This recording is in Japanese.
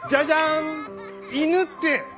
犬って！